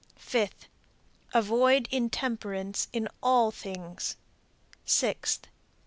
Fifth. Avoid intemperance in all things. Sixth.